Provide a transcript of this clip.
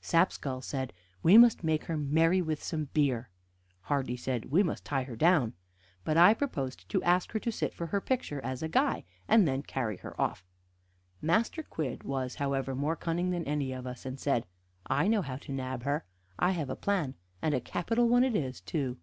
Sapskull said, "We must make her merry with some beer." Hardy said, "We must tie her down." But I proposed to ask her to sit for her picture as a guy, and then to carry her off. Master Quidd was, however, more cunning than any of us, and said, "I know how to nab her; I have a plan, and a capital one it is, too."